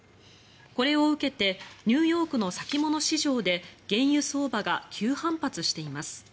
これを受けてニューヨークの先物市場で原油相場が急反発しています。